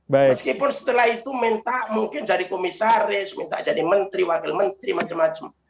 meskipun setelah itu minta mungkin jadi komisaris minta jadi menteri wakil menteri macam macam